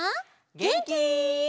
げんき？